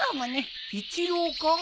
一郎か？